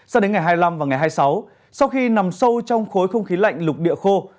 sao đến ngày hai mươi năm và ngày hai mươi sáu sau khi nằm sâu trong khối không khí lạnh lục địa khô